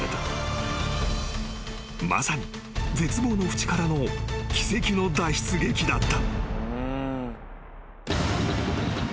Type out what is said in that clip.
［まさに絶望の淵からの奇跡の脱出劇だった］